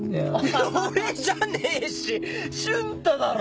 俺じゃねえし瞬太だろ。